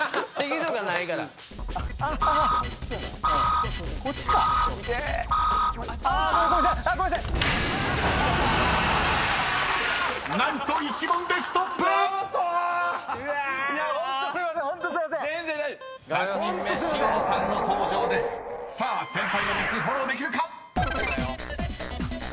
［さあ先輩のミスフォローできるか？］